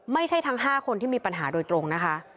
ไม่ใช่ทั้ง๕คนที่มีปัญหาโดยตรงนะคะ